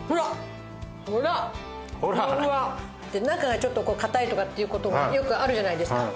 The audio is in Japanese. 中がちょっと硬いとかっていう事もよくあるじゃないですか。